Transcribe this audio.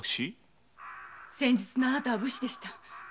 先日のあなたは武士でした。